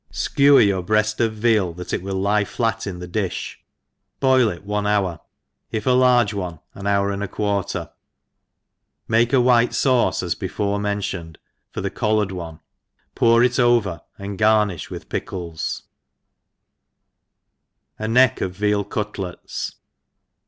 SKEWER your breaft of veal, that it will lie flat in the difh, boil it one hour (if a large one an hour and a quarter) make a white fauec as before mentioned for the collared one, pour it oVer, apd garnidi it with pickles^ 92 THE EXPERIENCED >?Neck ofVis^AL Cutlets.